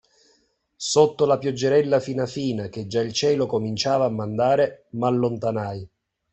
Sotto la pioggerella fina fina che già il cielo cominciava a mandare, m'allontanai,